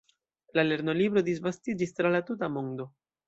La lernolibro disvastiĝis tra la tuta mondo.